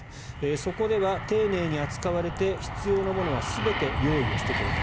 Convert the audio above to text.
そこでは丁寧に扱われて必要なものは全て用意をしてくれた。